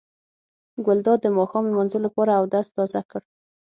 ګلداد د ماښام لمانځه لپاره اودس تازه کړ.